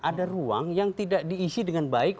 ada ruang yang tidak diisi dengan baik